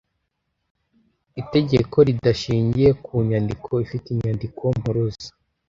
Itegeko ridashingiye ku nyandiko ifite inyandiko mpuruza